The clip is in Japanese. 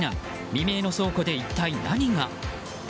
未明の倉庫で一体何が？